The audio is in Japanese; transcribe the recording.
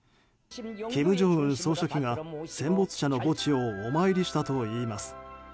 金正恩総書記が戦没者の墓地をお参りしたといいます。